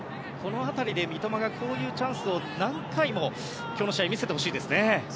この辺りで、三笘がこういうチャンスを今日の試合何回も見せてほしいですね。